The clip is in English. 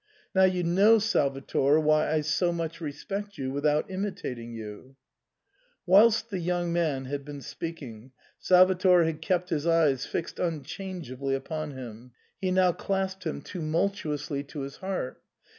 Now you know, Salvator, why I so much respect you, without imitat ing you." Whilst the young man had been speaking, Salvator had kept his eyes fixed unchangeably upon him ; he now clasped him tumultuously to his heart.